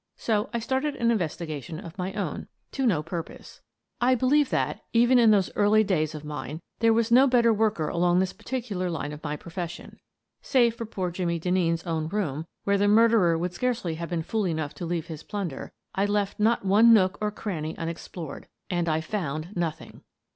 So I started an investigation of my own — to no purpose. I believe that, even in those early days of mine, there was no better worker along this particular line of my profession. Save for poor Jimmie Denneen's own room, where the murderer would scarcely have been fool enough to leave his plunder, I left not one node or cranny unexplored — and I found nothing.